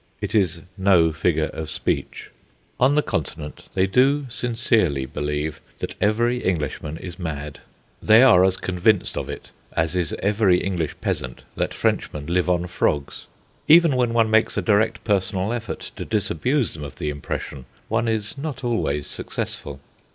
It is no figure of speech. On the Continent they do sincerely believe that every Englishman is mad. They are as convinced of it as is every English peasant that Frenchmen live on frogs. Even when one makes a direct personal effort to disabuse them of the impression one is not always successful.